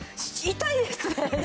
痛いです。